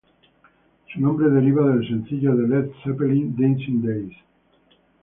Su nombre deriva del sencillo de Led Zeppelin ""Dancing Days"".